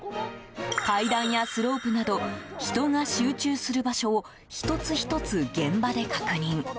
階段やスロープなど人が集中する場所を１つ１つ、現場で確認。